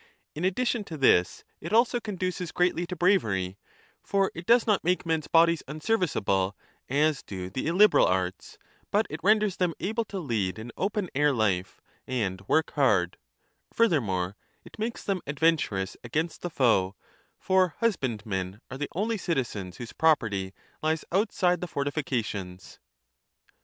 In addition to this it also conduces greatly to bravery ; for it does not make men s bodies unserviceable, as do the illiberal arts, but it renders them 5 able to lead an open air life and work hard ; furthermore it makes them adventurous against the foe, for husbandmen are the only citizens whose property lies outside the fortifications.